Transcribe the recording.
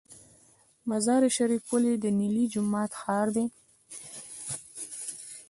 مزار شریف ولې د نیلي جومات ښار دی؟